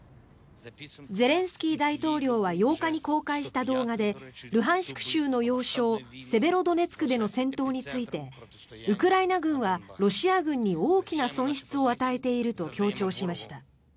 ゼレンスキー大統領は８日に公開した動画でルハンシク州の要衝セベロドネツクでの戦闘についてウクライナ軍はロシア軍に大きな損失を与えていると強調しました。